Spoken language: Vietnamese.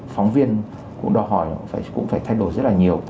phóng viên cũng đòi hỏi cũng phải thay đổi rất là nhiều